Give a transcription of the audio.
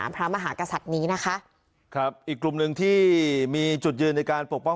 พระมหากษัตริย์นี้นะคะครับอีกกลุ่มหนึ่งที่มีจุดยืนในการปกป้อง